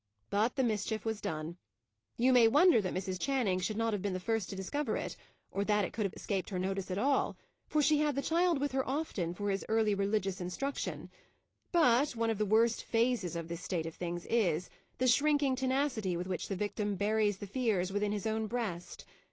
But the mischief was done. You may wonder that Mrs. Channing should not have been the first to discover it; or that it could have escaped her notice at all, for she had the child with her often for his early religious instruction; but, one of the worst phases of this state of things is, the shrinking tenacity with which the victim buries the fears within his own breast.